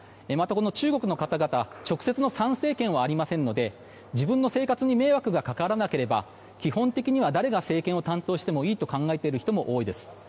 中国の方々、直接の参政権はありませんので自分の生活に迷惑が掛からなければ基本的には誰が政権を担当してもいいと考えている人も多いです。